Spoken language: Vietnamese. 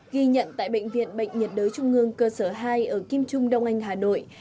ghi nhận tại bệnh viện bệnh nhiệt đới trung ương cơ sở hai ở kim trung đông anh hà nội